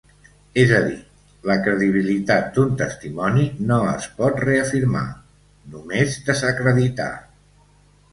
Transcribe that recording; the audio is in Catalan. És a dir, la credibilitat d'un testimoni no es pot reafirmar, només desacreditar.